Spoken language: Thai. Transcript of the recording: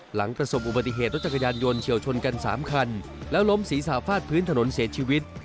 หลังประสบอุบัติเหตุรถจักรยานยนต์เฉียวชนกัน๓คันแล้วล้มศีรษะฟาดพื้นถนนเสียชีวิต